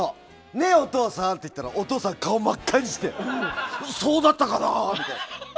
ねえ、お父さんって言ったらお父さんは顔真っ赤にしてそうだったかな？って。